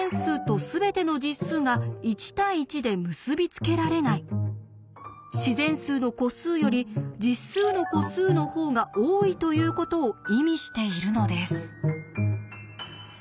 つまり「自然数の個数より実数の個数の方が多い」ということを意味しているのです。